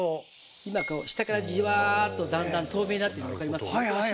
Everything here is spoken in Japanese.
今こう下からじわっとだんだん透明になってるの分かります？